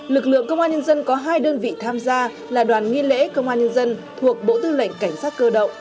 lực lượng công an nhân dân có hai đơn vị tham gia là đoàn nghi lễ công an nhân dân thuộc bộ tư lệnh cảnh sát cơ động